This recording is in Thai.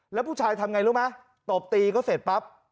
แล้วผู้ชายทำไงรู้ไหมตบตีเขาเสร็จปั๊บ